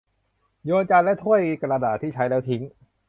โยนจานและถ้วยกระดาษที่ใช้แล้วทิ้ง